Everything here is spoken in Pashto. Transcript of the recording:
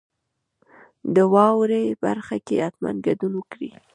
د واورئ برخه کې حتما ګډون وکړئ.